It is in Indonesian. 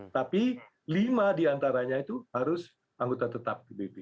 tapi lima di antaranya itu harus anggota tetap